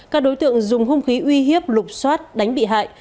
các đối tượng dùng hung khí uy hiếp lục xoát đánh bị hại